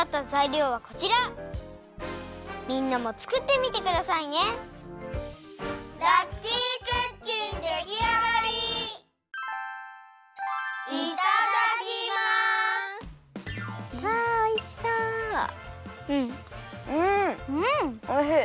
うんおいしい！